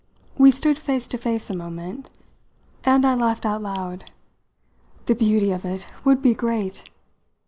We stood face to face a moment, and I laughed out. "The beauty of it would be great!"